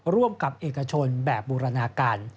ร่วมกับเอกชนแบบบูรณาการ